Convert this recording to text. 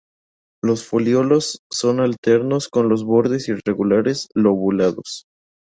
Los folíolos son alternos con los bordes irregularmente lobulados.